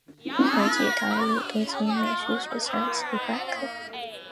刘锦堂入东京美术学校西画科